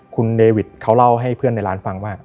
คุณเดวิทเขาเล่าให้เพื่อนในร้านฟังว่า